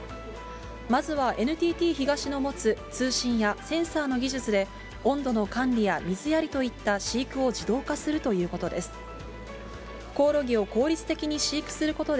まずはＮＴＴ東の持つ通信やセンサーの技術で、温度の管理や水やりといった飼育を自動化するということで。